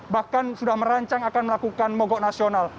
bahkan sudah merancang akan melakukan mogok nasional